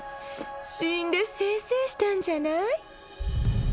死んで清々したんじゃない？